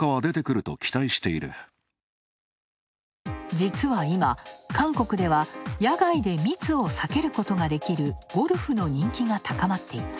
実は今、韓国では野外で密を避けることができるゴルフの人気が高まっています。